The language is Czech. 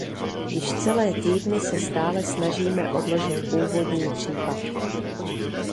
Již celé týdny se stále snažíme odložit původní případ.